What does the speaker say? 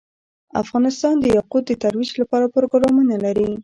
افغانستان د یاقوت د ترویج لپاره پروګرامونه لري.